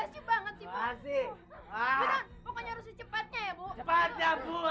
tidak tidak tidak tidak